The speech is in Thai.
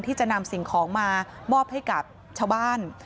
ที่จะนำสิ่งของมามอบให้กับชาวบ้าน